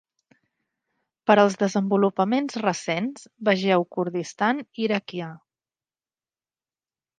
Per als desenvolupaments recents, vegeu "Kurdistan iraquià".